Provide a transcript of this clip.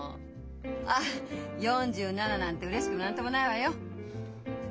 あっ４７なんてうれしくも何ともないわよ。